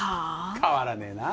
変わらねえなあ